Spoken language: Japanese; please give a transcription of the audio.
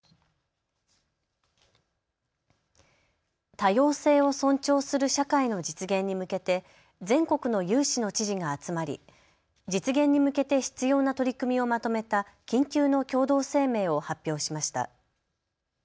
多様性を尊重する社会の実現に向けて全国の有志の知事が集まり実現に向けて必要な取り組みをまとめた緊急の共同声明を発表しました。